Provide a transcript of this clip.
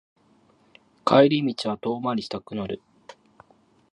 帰り道は遠回りしたくなる